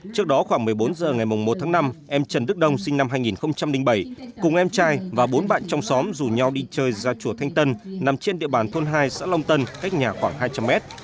trước đó khoảng một mươi bốn h ngày một tháng năm em trần đức đông sinh năm hai nghìn bảy cùng em trai và bốn bạn trong xóm rủ nhau đi chơi ra chùa thanh tân nằm trên địa bàn thôn hai xã long tân cách nhà khoảng hai trăm linh mét